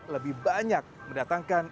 lebih banyak mendatangkan